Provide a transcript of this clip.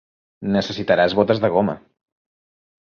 Necessitaràs botes de goma.